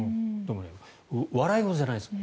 笑い事じゃないですよ。